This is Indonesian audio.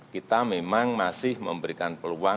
kita memang masih memberikan peluang